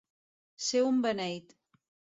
Ser un beneit.